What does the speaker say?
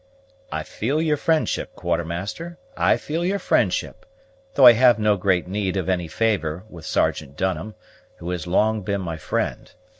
"I feel your friendship, Quartermaster, I feel your friendship, though I have no great need of any favor with Sergeant Dunham, who has long been my friend.